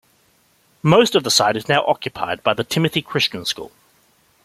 Most of the site is now occupied by the Timothy Christian School.